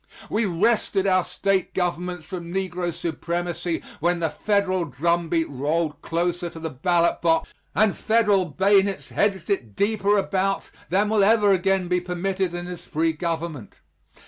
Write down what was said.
We wrested our state governments from negro supremacy when the Federal drumbeat rolled closer to the ballot box, and Federal bayonets hedged it deeper about than will ever again be permitted in this free government.